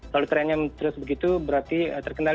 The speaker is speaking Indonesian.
kalau trennya terus begitu berarti terkendali